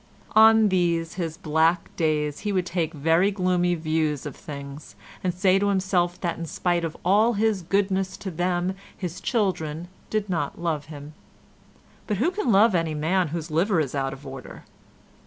On these, his black days, he would take very gloomy views of things and say to himself that in spite of all his goodness to them his children did not love him. But who can love any man whose liver is out of order?